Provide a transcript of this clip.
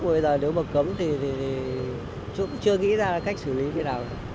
bây giờ nếu mà cấm thì chưa nghĩ ra cách xử lý như thế nào